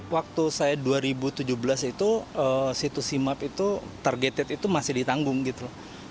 waktu saya dua ribu tujuh belas itu situs simap itu targeted itu masih ditanggung gitu